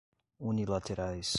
unilaterais